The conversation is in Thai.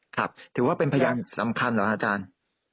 ถือว่าเป็นพยานสำคัญเหรอครับอาจารย์